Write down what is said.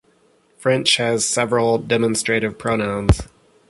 French has several demonstrative pronouns.